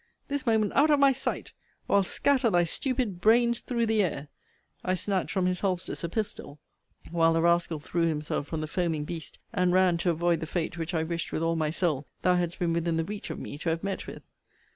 This moment out of my sight, or I'll scatter thy stupid brains through the air. I snatched from his holsters a pistol, while the rascal threw himself from the foaming beast, and ran to avoid the fate which I wished with all my soul thou hadst been within the reach of me to have met with.